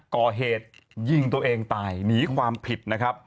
ก่อเหตุยิงตัวเองตายหนีความผิด